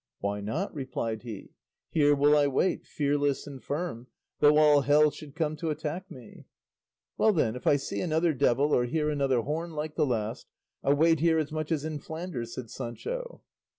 "Why not?" replied he; "here will I wait, fearless and firm, though all hell should come to attack me." "Well then, if I see another devil or hear another horn like the last, I'll wait here as much as in Flanders," said Sancho.